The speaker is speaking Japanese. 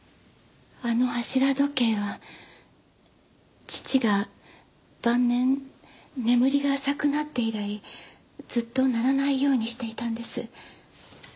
あの柱時計は父が晩年眠りが浅くなって以来ずっと鳴らないようにしていたんです。